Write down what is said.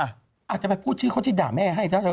อาจจะไปพูดชื่อเขาจะด่าแม่ให้ซะ